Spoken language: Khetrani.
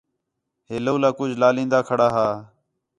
ہے لولا کُج لالین٘دا کھڑا ہا